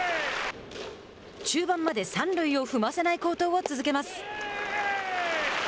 中盤まで三塁を踏ませない好投を続けます。